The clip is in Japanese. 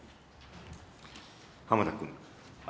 浜田君。